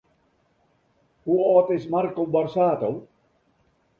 Hoe âld is Marco Borsato?